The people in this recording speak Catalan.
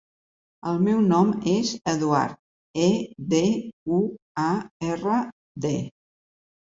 El meu nom és Eduard: e, de, u, a, erra, de.